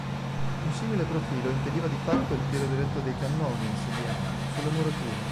Un simile profilo impediva di fatto il tiro diretto dei cannoni assedianti sulle murature.